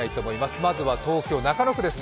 まずは東京・中野区ですね。